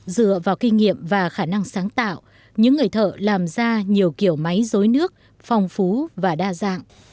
dựa vào kinh nghiệm và khả năng sáng tạo những người thợ làm ra nhiều kiểu máy rối nước phong phú và đa dạng